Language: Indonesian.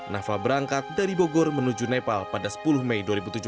naval berangkat dari bogor menuju nepal pada sepuluh mei dua ribu tujuh belas